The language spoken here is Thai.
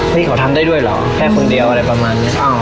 พี่เขาทำได้ด้วยเหรอแค่คนเดียวอะไรประมาณนี้